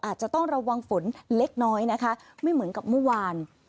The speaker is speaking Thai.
อาจจะต้องระวังฝนเล็กน้อยนะคะไม่เหมือนกับเมื่อวาน